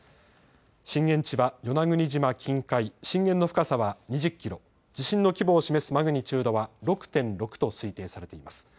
震源地は与那国島近海、震源の深さは２０キロ、地震の規模を示すマグニチュードは６．６と推定されています。